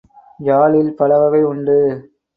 யாழில் பலவகை உண்டு.